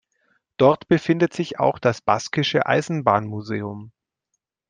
Dort befindet sich auch das baskische Eisenbahnmuseum.